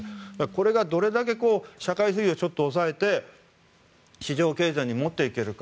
これがどれだけ社会主義をちょっと抑えて市場経済に持っていけるか。